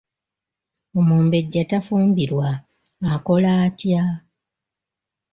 Omumbejja tafumbirwa, akola atya?